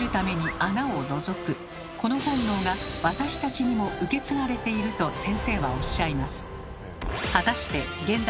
この本能が私たちにも受け継がれていると先生はおっしゃいます。